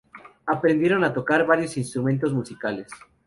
Aprendieron a tocar varios instrumentos musicales.